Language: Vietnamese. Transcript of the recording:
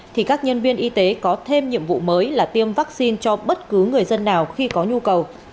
thì các nhân viên y tế có thêm nhiệm vụ mới là tiêm vaccine cho bất cứ người dân nào khi có nhu cầu